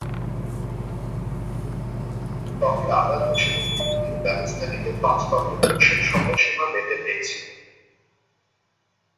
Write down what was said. তবে আমরা দোষীদের বিরুদ্ধে ব্যবস্থা নিতে পাঁচ কর্মদিবসের সময়সীমা বেঁধে দিয়েছি।